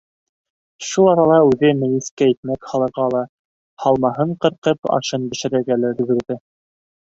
Шул арала үҙе мейескә икмәк һалырға ла, һалмаһын ҡырҡып, ашын бешерергә лә өлгөрҙө.